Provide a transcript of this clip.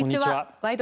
「ワイド！